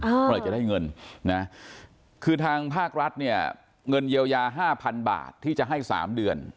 เมื่อไหร่จะได้เงินนะคือทางภาครัฐเนี่ยเงินเยียวยาห้าพันบาทที่จะให้สามเดือน